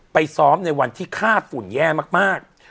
ซ้อมในวันที่ฆ่าฝุ่นแย่มาก